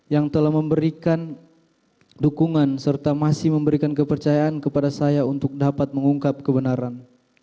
yang telah memberikan dukungan serta masih memberikan kepercayaan kepada saya untuk dapat mengungkap kebenaran